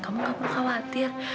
kamu gak perlu khawatir